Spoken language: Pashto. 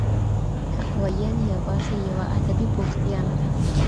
حق ویل یوازې یوه ادبي بوختیا نه ده.